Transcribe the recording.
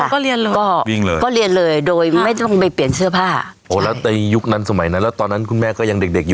ก็พอดีเลยมีเวลาครึ่งชั่วหมดก็เรียนเลย